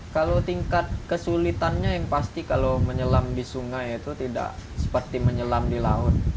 kalau tingkat kesulitannya yang pasti kalau menyelam di sungai itu tidak seperti menyelam di laut